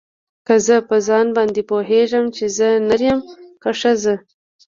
که زه په ځان باندې پوهېږم چې زه نر يمه که ښځه.